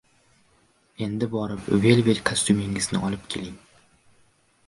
— Endi borib, velvet kostyumingizni olib keling!